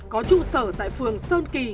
có trụ sở tại phường sơn kỳ